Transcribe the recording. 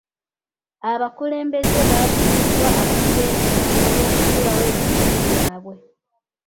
Abakulembeze baatuumibwa abazzi b'emisango olw'okusuulawo ebitundu byabwe.